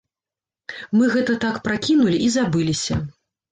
Мы гэта так пракінулі і забыліся.